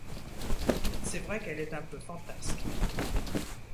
C’est vrai qu’elle est un peu fantasque.